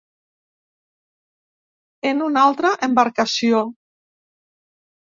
En una altra embarcació.